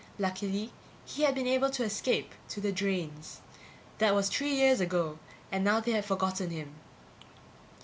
Luckily he had been able to escape to the drains. That was three years ago and now they had forgotten him.